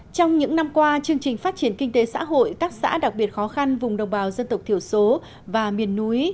trong những năm qua chương trình phát triển kinh tế xã hội các xã đặc biệt khó khăn vùng đồng bào dân tộc thiểu số và miền núi